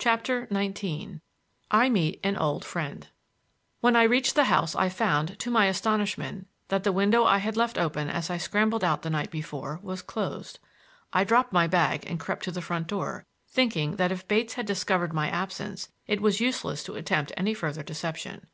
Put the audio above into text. CHAPTER XIX I MEET AN OLD FRIEND When I reached the house I found, to my astonishment, that the window I had left open as I scrambled out the night before was closed. I dropped my bag and crept to the front door, thinking that if Bates had discovered my absence it was useless to attempt any further deception.